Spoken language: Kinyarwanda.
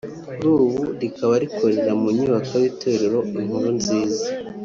kuri ubu rikaba rikorera mu nyubako y’itorero Inkuru nziza